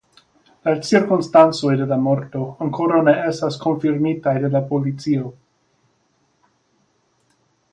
La cirkonstancoj de la morto ankoraŭ ne estas konfirmitaj de la polico.